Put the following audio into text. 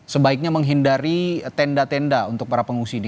sebaiknya menghindari tenda tenda untuk para pengungsi di